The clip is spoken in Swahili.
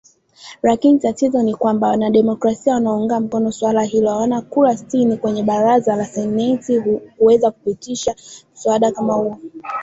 Lakini, tatizo ni kwamba wademokrasia wanaounga mkono suala hilo hawana kura sitini kwenye Baraza la Seneti kuweza kupitisha mswada kama huo